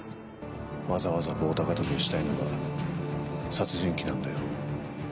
わざわざ棒高跳びをしたいのは殺人鬼なんだよ。